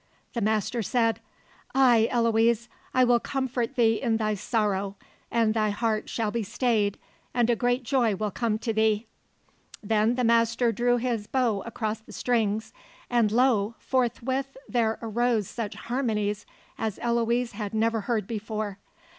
The Master said: "Ay, Eloise, I will comfort thee in thy sorrow, and thy heart shall be stayed, and a great joy will come to thee." Then the Master drew his bow across the strings, and lo! forthwith there arose such harmonies as Eloise had never heard before.